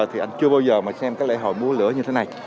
thì anh chưa bao giờ mà xem cái lễ hội múa lửa như thế này